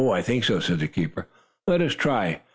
"I think so," said the keeper. "Let us try.